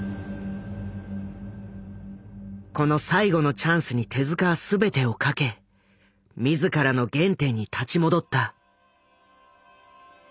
この最後のチャンスに手はすべてを賭け自らの原点に立ち戻った。